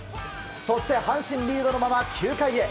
そして阪神リードのまま９回へ。